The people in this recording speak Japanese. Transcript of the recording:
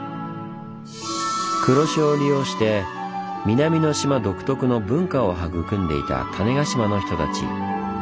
黒潮を利用して南の島独特の文化を育んでいた種子島の人たち。